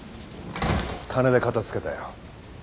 金で片付けたよ。